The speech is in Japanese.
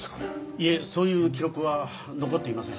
いえそういう記録は残っていません。